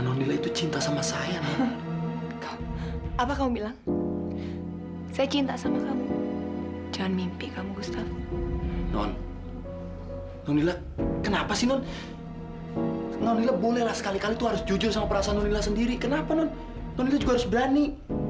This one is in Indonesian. nonila juga harus berani